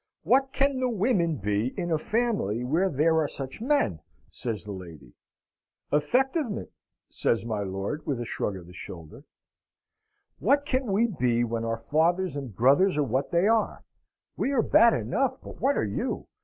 "What can the women be in a family where there are such men?" says the lady. "Effectivement!" says my lord, with a shrug of his shoulder. "What can we be, when our fathers and brothers are what they are? We are bad enough, but what are you?